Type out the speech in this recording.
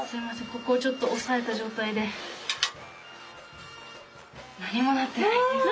ここをちょっと押さえた状態で何もなってない！